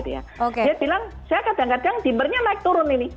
dia bilang saya kadang kadang dimmernya naik turun ini